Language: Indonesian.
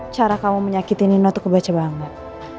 cara kamu menyakiti nino tuh kebaca banget